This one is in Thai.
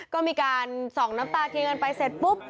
ก็มีการส่องน้ำตากินกันไปเสร็จปุ๊บ